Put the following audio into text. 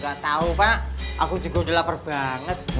gak tahu pak aku juga udah lapar banget